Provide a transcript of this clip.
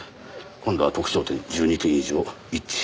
今度は特徴点１２点以上一致しました。